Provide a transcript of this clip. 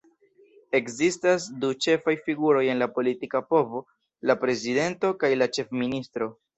Ekzistas du ĉefaj figuroj en la politika povo: la prezidento kaj la ĉefministro.